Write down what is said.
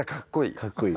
かっこいい？